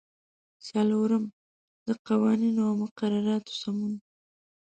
څلورم: د قوانینو او مقرراتو سمون.